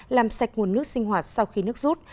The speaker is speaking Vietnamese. làm sạch nguồn nước sinh hoạt sau khi nước rút